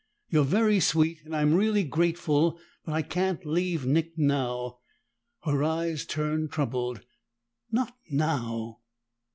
You're very sweet, and I'm really grateful, but I can't leave Nick now." Her eyes turned troubled. "Not now."